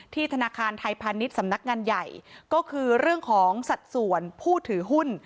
ธนาคารไทยพาณิชย์สำนักงานใหญ่ก็คือเรื่องของสัดส่วนผู้ถือหุ้น